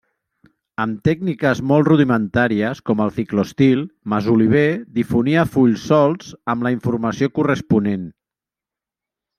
Amb tècniques molt rudimentàries, com el ciclostil, Masoliver difonia fulls solts amb la informació corresponent.